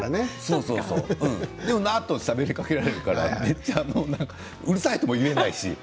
でも、しゃべりかけられるからうるさい！とも言えないし。